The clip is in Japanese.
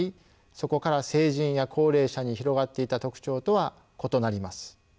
そこから成人や高齢者に広がっていた特徴とは異なります。